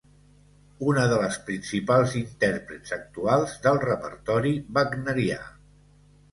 Una de les principals intèrprets actuals del repertori wagnerià.